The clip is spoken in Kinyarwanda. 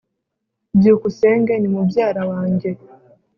byukusenge ni mubyara wanjye